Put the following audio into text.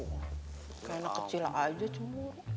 kayak anak kecil aja cemburu